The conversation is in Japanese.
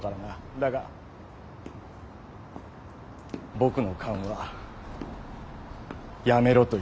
だが僕の勘はやめろと言ってる。